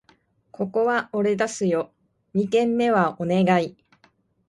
ここは俺出すよ！二軒目はお願い